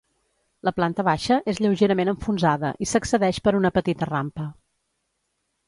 La planta baixa és lleugerament enfonsada i s'accedeix per una petita rampa.